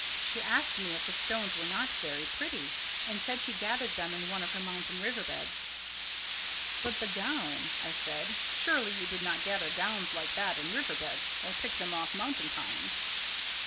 She asked me if the stones were not very pretty, and said she gathered them in one of her mountain river beds. "But the gown?" I said. "Surely, you do not gather gowns like that in river beds, or pick them off mountain pines?"